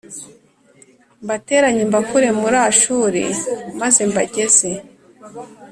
Mbateranye mbakure muri ashuri maze mbageze